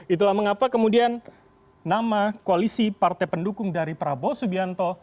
itulah mengapa kemudian nama koalisi partai pendukung dari prabowo subianto